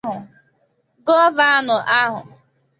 Gọvanọ ahụ